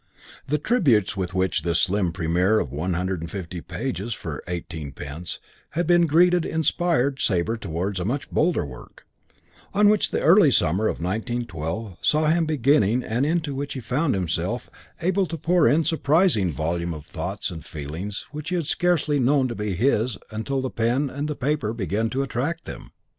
The tributes with which this slim primer of one hundred and fifty pages for eighteen pence had been greeted inspired Sabre towards a much bolder work, on which the early summer of 1912 saw him beginning and into which he found himself able to pour in surprising volume thoughts and feelings which he had scarcely known to be his until the pen and the paper began to attract them.